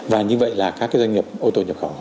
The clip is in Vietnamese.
và như vậy là các doanh nghiệp ô tô nhập khẩu